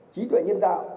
trí tuệ nhân tạo